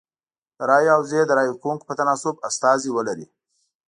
د رایو حوزې د رای ورکوونکو په تناسب استازي ولري.